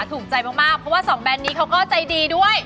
ถูกใจมากเพราะว่าสองแบรนดนี้เขาก็ใจดีด้วย